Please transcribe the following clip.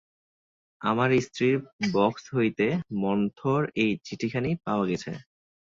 আমার স্ত্রীর বাক্স হইতে মন্মথর এই চিঠিখানি পাওয়া গেছে।